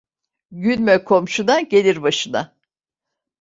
Gülme komşuna, gelir başına.